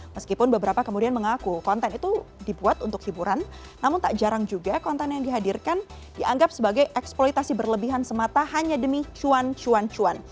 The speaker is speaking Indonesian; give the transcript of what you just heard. meskipun beberapa kemudian mengaku konten itu dibuat untuk hiburan namun tak jarang juga konten yang dihadirkan dianggap sebagai eksploitasi berlebihan semata hanya demi cuan cuan cuan